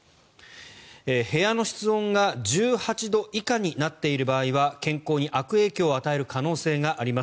部屋の室温が１８度以下になっている場合は健康に悪影響を与える可能性があります。